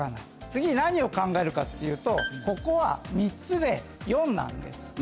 次に何を考えるかっていうとここは３つで４なんです。